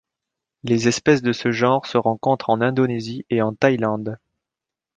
Les espèces de ce genre se rencontrent en Indonésie et en Thaïlande.